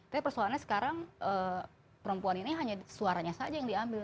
tapi persoalannya sekarang perempuan ini hanya suaranya saja yang diambil